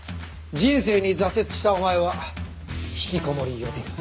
人生に挫折したお前はひきこもり予備軍。